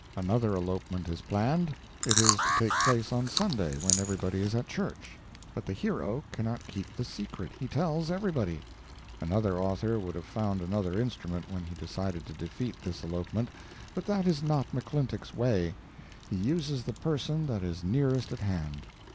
Another elopement is planned; it is to take place on Sunday, when everybody is at church. But the "hero" cannot keep the secret; he tells everybody. Another author would have found another instrument when he decided to defeat this elopement; but that is not McClintock's way. He uses the person that is nearest at hand.